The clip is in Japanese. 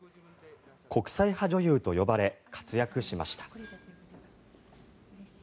国際派女優と呼ばれ活躍しました。